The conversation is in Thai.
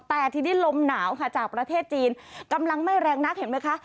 แต่ทีนี้ลมหนาวค่ะจากประเทศจีนกำลังไม่แรงนักเห็นไหมคะ